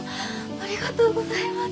ありがとうございます。